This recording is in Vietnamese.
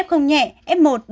f một đưa ngay đi bệnh viện